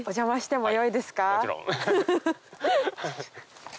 もちろん！